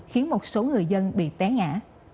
khiến một số người dân bị té ngã